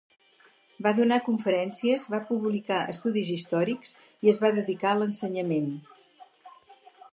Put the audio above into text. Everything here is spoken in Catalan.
Va donar conferències, va publicar estudis històrics i es va dedicar a l'ensenyament.